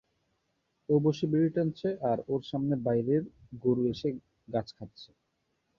ও বসে বসে বিড়ি টানছে, আর ওর সামনে বাইরের গোরু এসে গাছ খাচ্ছে।